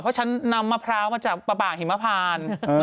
เพราะฉันนำมะพร้าวมาจากปากหิมพาน